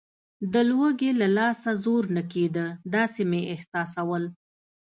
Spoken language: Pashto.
د لوږې له لاسه زور نه کېده، داسې مې احساسول.